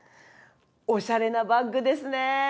おしゃれなバッグですね。